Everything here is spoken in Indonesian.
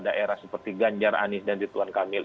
daerah seperti ganjar anies dan rituan kamil